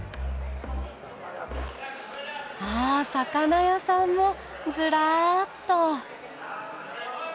あっ魚屋さんもずらっと。